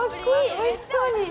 おいしそうに。